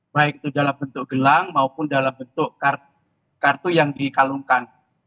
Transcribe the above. baik itu dalam bentuk gelang maupun dalam bentuk kartu yang dikalungkan